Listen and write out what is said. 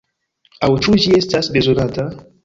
Aŭ ĉu ĝi estas bezonata?